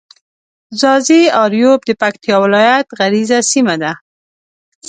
ځاځي اريوب د پکتيا ولايت غرييزه سيمه ده.